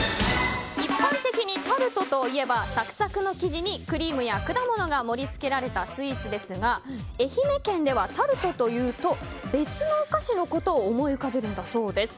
一般的にタルトといえばサクサクの生地にクリームや果物が盛り付けられたスイーツですが愛媛県ではタルトというと別のお菓子のことを思い浮かべるんだそうです。